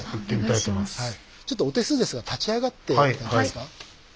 ちょっとお手数ですが立ち上がって頂けますか。